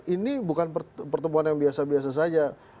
ini bukan pertemuan yang biasa biasa saja